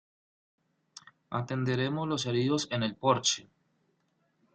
Atenderemos los heridos en el porche.